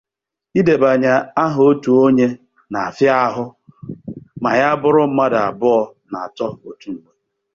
Idebanya aha otu onye na-afia ahụ ma ya bụrụ mmadụ abụọ na atọ otu mgbe